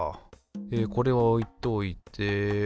えこれは置いといて。